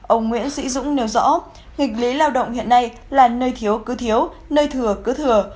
ông nguyễn sĩ dũng nêu rõ nghịch lý lao động hiện nay là nơi thiếu cứ thiếu nơi thừa cứ thừa